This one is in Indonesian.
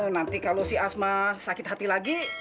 nanti kalau si asma sakit hati lagi